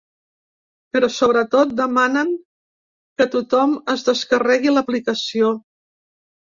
Però sobretot demanen que tothom es descarregui l’aplicació.